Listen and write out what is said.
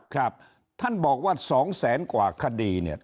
ครับท่านบอกว่า๒แสนกว่าคดีเนี่ย